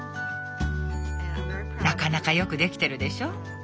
なかなか良くできてるでしょ？